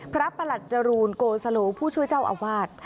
ประหลัดจรูนโกสโลผู้ช่วยเจ้าอาวาส